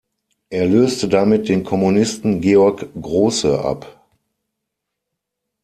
Er löste damit den Kommunisten Georg Grosse ab.